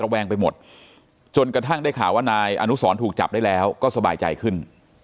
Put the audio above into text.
แวงไปหมดจนกระทั่งได้ข่าวว่านายอนุสรถูกจับได้แล้วก็สบายใจขึ้น